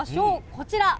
こちら。